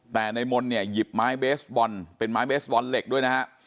แต่ในมนต์เนี่ยหยิบไม้เบสบอลเป็นไม้เบสบอลเหล็กด้วยนะฮะ